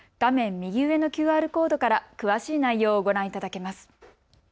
右上のＱＲコードから詳しい内容をご覧いただけます。